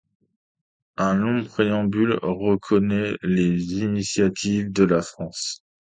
Un long préambule reconnaît les initiatives de la France.